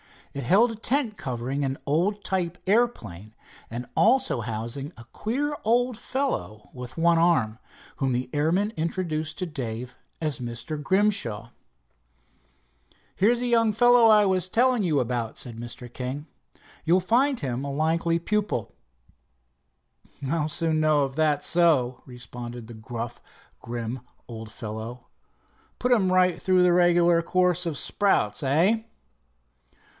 It held a tent covering an old type airplane, and also housing a queer old fellow with one arm, whom the airman introduced to Dave as Mr. Grimshaw. "Here's the young fellow I was telling you about," said Mr. King. "You'll find him a likely pupil." "I'll soon know it, if that's so," responded the gruff, grim old fellow. "Put him right through the regular course of sprouts, eh?"